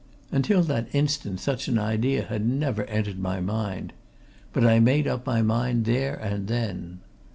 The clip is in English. Until that instant such an idea had never entered my head. But I made up my mind there and then.